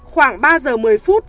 khoảng ba giờ một mươi phút